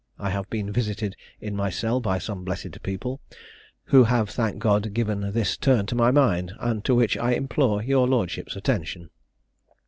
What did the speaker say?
I have been visited in my cell by some blessed people, who have, thank God, given this turn to my mind, and to which I implore your lordship's attention."